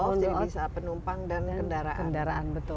jadi bisa penumpang dan kendaraan